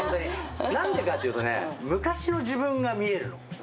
何でかっていうとね昔の自分が見えるの。